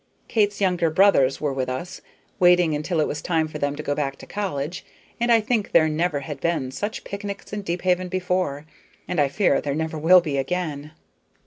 Kate's younger brothers were with us, waiting until it was time for them to go back to college, and I think there never had been such picnics in Deephaven before, and I fear there never will be again.